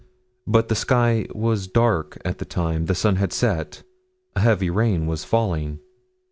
But the sky was dark at the time. The sun had set. A heavy rain was falling.